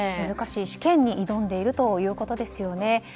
難しい試験に挑んでいるということですね。